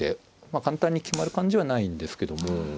簡単に決まる感じはないんですけども。